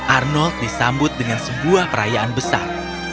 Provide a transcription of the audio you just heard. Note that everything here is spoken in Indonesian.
arnold disambut dengan sebuah perayaan besar